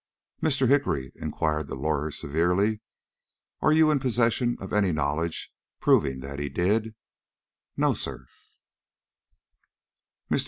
"Mr. Hickory," inquired the lawyer, severely, "are you in possession of any knowledge proving that he did?" "No, sir." Mr.